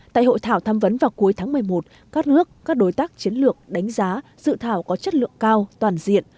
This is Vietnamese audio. tại hội thảo tham vấn vào cuối tháng một mươi một các nước các đối tác chiến lược đánh giá dự thảo có chất lượng cao toàn diện